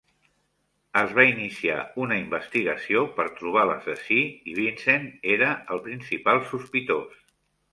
Es va iniciar una investigació per trobar l'assassí i Vincent era el principal sospitós.